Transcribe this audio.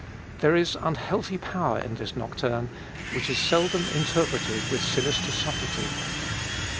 There is unhealthy power in this nocturne, which is seldom interpreted with sinister subtlety.